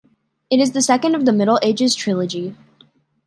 It is the second of the "Middle Ages Trilogy".